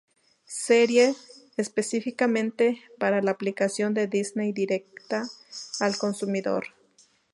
Serie específicamente para la aplicación de Disney directa al consumidor.